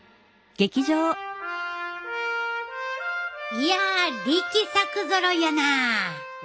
いや力作ぞろいやな。